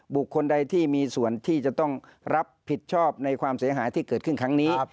บุคคลใดที่มีส่วนที่จะต้องรับผิดชอบในความเสียหายที่เกิดขึ้นครั้งนี้